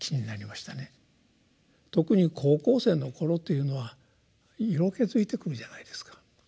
特に高校生の頃というのは色気づいてくるじゃないですか。